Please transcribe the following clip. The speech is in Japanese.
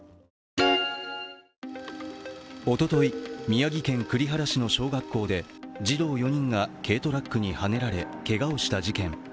おととい、宮城県栗原市の小学校で児童４人が軽トラックにはねられ、けがをした事件。